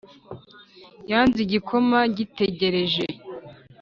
yasanze igikoma gitegereje